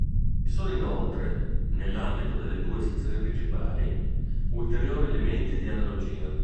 Vi sono inoltre, nell'ambito delle due sezioni principali, ulteriori elementi di analogia.